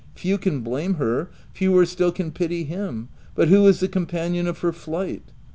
Few can blame her, fewer still can pity him ; but who is the companion of her flight